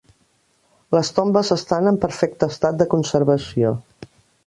Les tombes estan en perfecte estat de conservació.